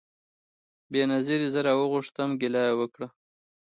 بېنظیري زه راوغوښتم ګیله یې وکړه